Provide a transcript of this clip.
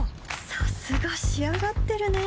さすが仕上がってるね